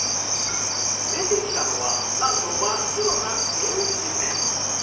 出てきたのはなんと真っ黒な手打ち麺。